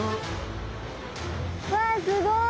わあすごい！